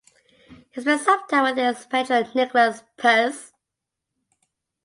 He spent some time with his patron Nicolas Peiresc.